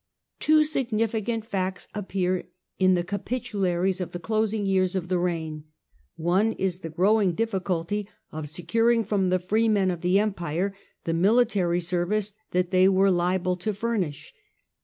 Two significant facts appear in the Capitularies of Begin ning of the closing years of the reign. One is the growing Feudalism difficulty of securing from the freemen of the Empire the military service that they were liable to furnish.